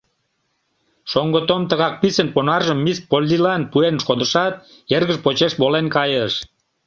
Шоҥго Том тыгак писын понарьжым мисс Поллилан пуэн кодышат, эргыж почеш волен кайыш.